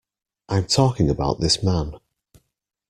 I'm talking about this man.